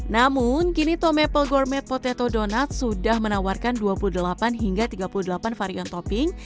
namun kini tom apple gourmet potato donut sudah menawarkan dua puluh delapan hingga tiga puluh delapan varian topping